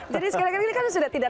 jadi sekarang ini kan sudah tidak